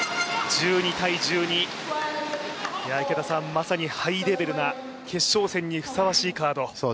まさにハイレベルな決勝戦にふさわしいカード。